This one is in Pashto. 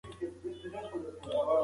سم مديريت تر ډېر کار غوره دی.